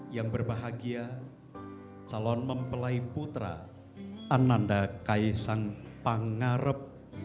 yang berbahagia calon mempelai putra ananda kaisang pangarep